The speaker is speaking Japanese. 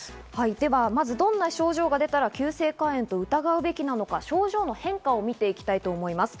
まずどんな症状が出たら急性肝炎と疑うべきなのか症状の変化を見ていきたいと思います。